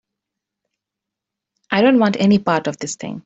I don't want any part of this thing.